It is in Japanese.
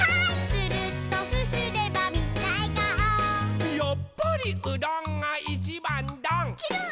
「つるっとすすればみんなえがお」「やっぱりうどんがいちばんどん」ちゅるっ。